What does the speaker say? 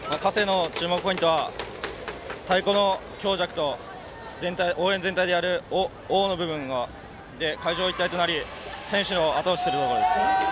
注目ポイントは太鼓の強弱と応援全体でやる「オー！」の部分は会場で一体となり選手をあと押しすることです。